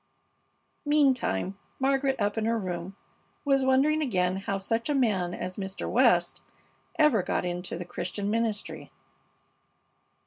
Meantime Margaret, up in her room, was wondering again how such a man as Mr. West ever got into the Christian ministry.